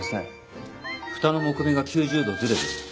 ふたの木目が９０度ずれてる。